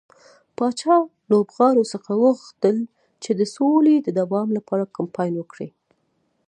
پاچا لوبغاړو څخه وغوښتل چې د سولې د دوام لپاره کمپاين وکړي.